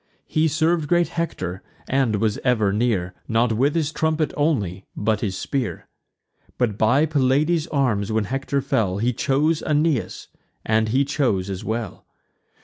He serv'd great Hector, and was ever near, Not with his trumpet only, but his spear. But by Pelides' arms when Hector fell, He chose Aeneas; and he chose as well.